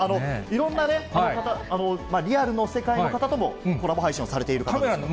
いろんなね、リアルの世界の方ともコラボ配信をされている方なんです。